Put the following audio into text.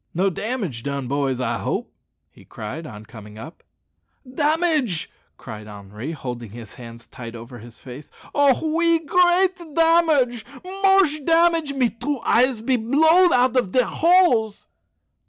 "No damage done, boys, I hope?" he cried on coming up. "Damage!" cried Henri, holding his hands tight over his face. "Oh! oui, great damage moche damage; me two eyes be blowed out of dere holes."